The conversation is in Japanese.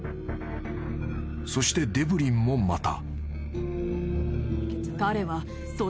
［そしてデブリンもまた］